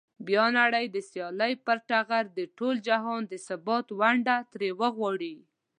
بیا نړۍ د سیالۍ پر ټغر د ټول جهان د ثبات ونډه ترې وغواړي.